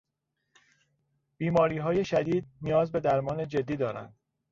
بیماریهای شدید نیاز به درمان جدی دارند